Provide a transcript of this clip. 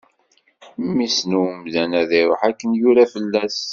Mmi-s n umdan ad iṛuḥ akken yura fell-as.